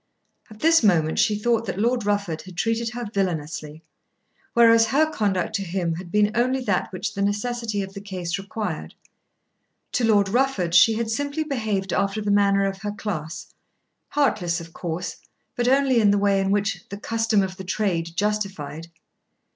At this moment she thought that Lord Rufford had treated her villainously, whereas her conduct to him had been only that which the necessity of the case required. To Lord Rufford she had simply behaved after the manner of her class, heartless of course, but only in the way which the "custom of the trade" justified.